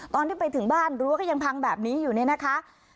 ตอนที่ไปถึงบ้านรั้วก็ยังพังแบบนี้อยู่เนี่ยนะคะ